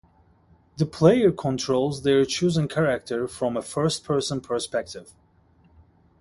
The player controls their chosen character from a first-person perspective.